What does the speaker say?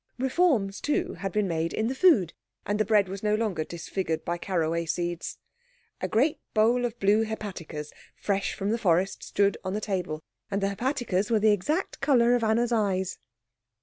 Reforms, too, had been made in the food, and the bread was no longer disfigured by caraway seeds. A great bowl of blue hepaticas, fresh from the forest, stood on the table; and the hepaticas were the exact colour of Anna's eyes.